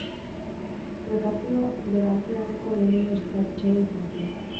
Kretazeo Berantiarreko lehenengo estaia izan zen.